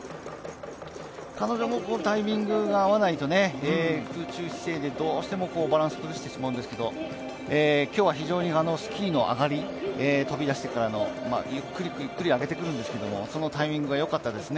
彼女もタイミングが合わないと、空中姿勢でどうしてもバランス崩してしまうんですけど今日は非常にスキーの上がり、飛び出してからのゆっくりゆっくり上げてくるんですけどもそのタイミングがよかったですね。